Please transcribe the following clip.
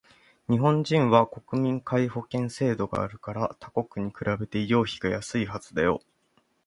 日本人は国民皆保険制度があるから他国に比べて医療費がやすいはずだよ